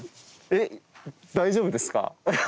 えっ大丈夫ですか？